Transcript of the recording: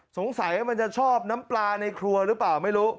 มันจะชอบน้ำปลาในครัวหรือเปล่าไม่รู้